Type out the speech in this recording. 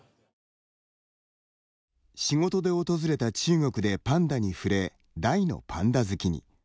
仕事で訪れた中国でパンダに触れ大のパンダ好きに。